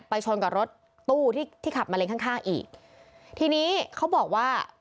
ชนกับรถตู้ที่ที่ขับมาเล็งข้างข้างอีกทีนี้เขาบอกว่า